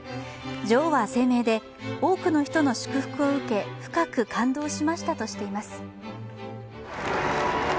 女王は声明で、多くの人の祝福を受け深く感動しましたとしています。